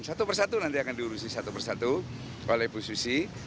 satu persatu nanti akan diurusi satu persatu oleh bu susi